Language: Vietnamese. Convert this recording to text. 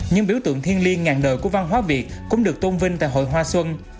những biểu tượng thiên liêng ngàn nời của văn hóa việt cũng được tôn vinh tại hội hoa xuân